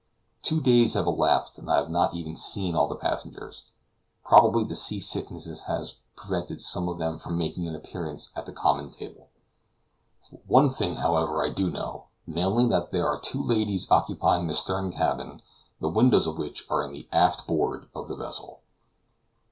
Two days have elapsed and I have not even seen all the passengers. Probably sea sickness has prevented some of them from making an appearance at the common table. One thing, however, I do know; namely, that there are two ladies occupying the stern cabin, the windows of which are in the aft board of the vessel.